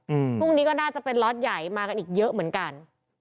พรุ่งนี้ก็น่าจะเป็นล็อตใหญ่มากันอีกเยอะเหมือนกัน